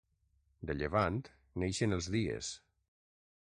De llevant neixen els dies.